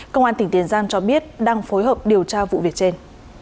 công an tỉnh tiền giang cho biết đang phối hợp điều tra vụ việc trên